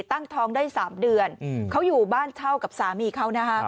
ตั้งท้องได้๓เดือนเขาอยู่บ้านเช่ากับสามีเขานะฮะ